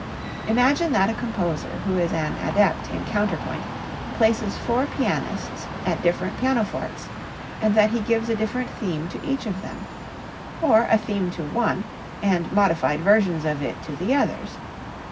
Imagine that a composer who is an adept in counterpoint places four pianists at different pianofortes, and that he gives a different theme to each of them, or a theme to one and modified versions of it to the others.